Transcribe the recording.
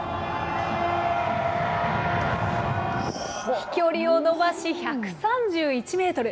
飛距離を伸ばし、１３１メートル。